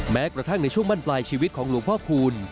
แม้กระทั่งในช่วงมั่นปลายชีวิตของหลวงพ่อคูณ